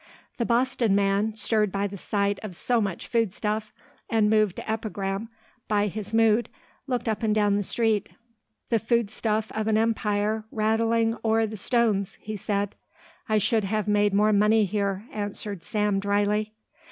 The Boston man, stirred by the sight of so much foodstuff and moved to epigram by his mood, looked up and down the street. "The foodstuff of an empire rattling o'er the stones," he said. "I should have made more money here," answered Sam dryly.